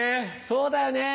そうだよね。